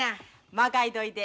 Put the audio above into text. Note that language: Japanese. まかいといて。